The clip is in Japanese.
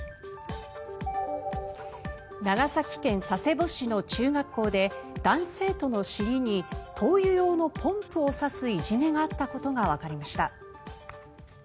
長崎県佐世保市の中学校で男子生徒の尻に灯油用のポンプを挿すいじめがあったことがわかりました。